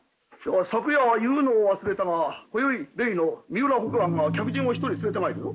昨夜は言うのを忘れたがこよい例の三浦北庵が客人を１人連れてまいるぞ。